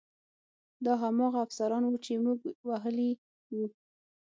دا هماغه افسران وو چې موږ وهلي وو